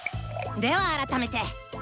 では改めて。